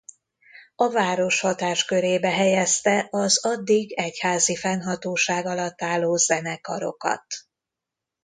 A város hatáskörébe helyezte az addig egyházi fennhatóság alatt álló zenekarokat.